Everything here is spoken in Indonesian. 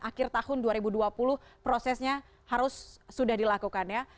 akhir tahun dua ribu dua puluh prosesnya harus sudah dilakukan ya